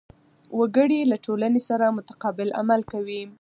وګړي له ټولنې سره متقابل عمل کوي.